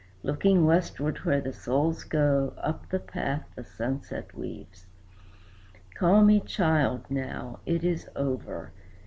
Looking westward where the souls go, up the path the sunset weaves. "Call me 'child' now. It is over.